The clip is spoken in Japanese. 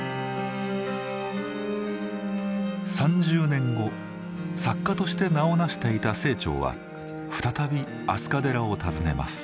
３０年後作家として名を成していた清張は再び飛鳥寺を訪ねます。